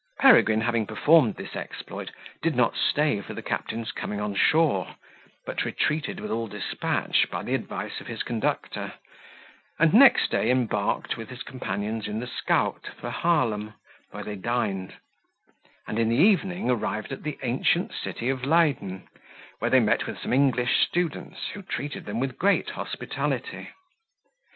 Peregrine having performed this exploit, did not stay for the captain's coming on shore, but retreated with all despatch, by the advice of his conductor; and next day embarked, with his companions, in the skuyt, for Haerlem, where they dined; and in the evening arrived at the ancient city of Leyden, where they met with some English students, who treated them with great hospitality.